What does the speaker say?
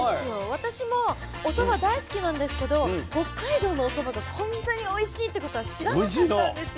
私もおそば大好きなんですけど北海道のおそばがこんなにおいしいっていうことは知らなかったんですよ。